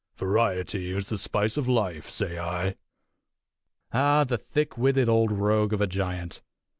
Variety is the spice of life, say I." Ah, the thick witted old rogue of a giant!